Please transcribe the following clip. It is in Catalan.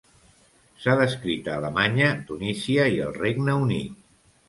S'ha descrit a Alemanya, Tunísia i el Regne Unit.